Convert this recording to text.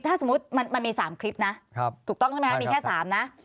ถ้าสมมุติมันมี๓คลิปนะถูกต้องใช่ไหมครับมีแค่๓นะ